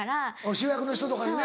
主役の人とかにね。